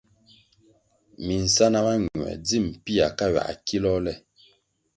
Minsáná mañuer dzi pia ka ywia kilôh le.